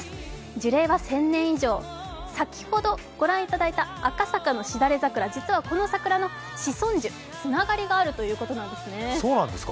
樹齢は１０００年以上、先ほどご覧いただいた赤坂のシダレザクラ、実はこの桜の子孫樹、つなりがあるということなんですね。